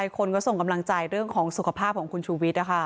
คนก็ส่งกำลังใจเรื่องของสุขภาพของคุณชูวิทย์